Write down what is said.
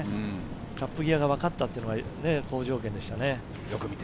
カップ際がわかったというのは好条件でしたね。